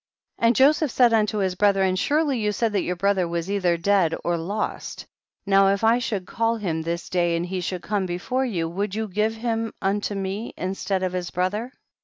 66. And Joseph said unto his breth ren, surely you said that your brother was either dead or lost, now if I should call him this day and he should come before you, would you give him unio me instead of his brother